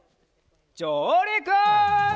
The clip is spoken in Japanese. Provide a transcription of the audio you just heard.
じょうりく！